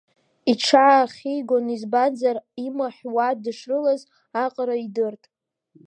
Иҽаахигон, избанзар, имаҳә уа дышрылаз аҟара идырт.